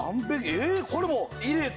えっこれも入れて。